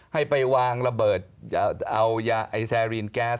ให้ไปวางระเบิดจะเอายาไอแซรีนแก๊ส